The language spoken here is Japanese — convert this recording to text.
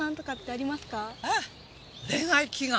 ああ恋愛祈願？